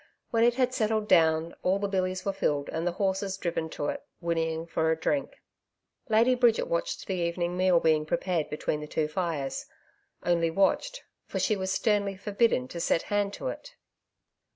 When it had settled down, all the billies were filled and the horses driven to it, whinnying for a drink. Lady Bridget watched the evening meal being prepared between the two fires only watched, for she was sternly forbidden to set hand to it.